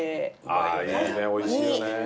いいねおいしいよね。